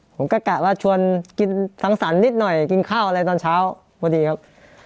ผมก็แกะว่ากินสั่งสานนิดหน่อยกินข้าวตอนเช้าพอดีครับ